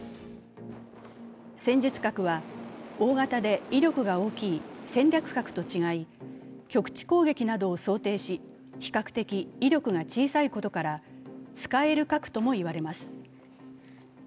戦術核は大型で威力が大きい戦略核と違い局地攻撃などを想定し比較的威力が小さいことから使える核ともいわれます。